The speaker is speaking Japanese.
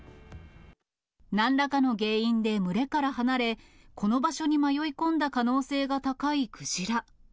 なんらかの原因で群れから離れ、この場所に迷い込んだ可能性が高いクジラ。